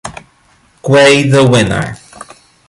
Guay, the winner.